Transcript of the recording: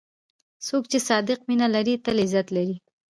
څوک چې صادق مینه لري، تل عزت لري.